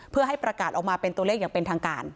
เพื่อให้ประกาศออกมาเป็นตัวเลขอย่างเป็นทางการ